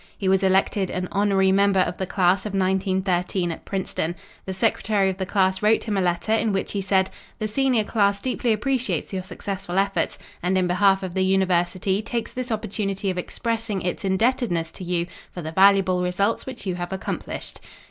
He was elected an honorary member of the class of 1913 at Princeton. The Secretary of the class wrote him a letter in which he said: 'The senior class deeply appreciates your successful efforts, and in behalf of the University takes this opportunity of expressing its indebtedness to you for the valuable results which you have accomplished.'"